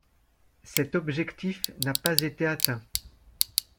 Cet objectif n'a pas été atteint.